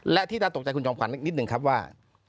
และที่จะตกใจคุณจองฝันนิดนึงครับว่า